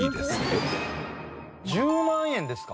１０万円ですか？